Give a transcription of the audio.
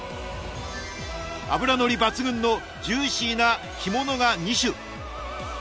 脂のり抜群のジューシーな干物が２種。